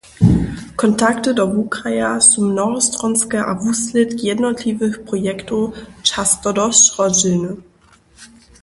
Kontakty do wukraja su mnohostronske a wuslědk jednotliwych projektow častodosć rozdźělny.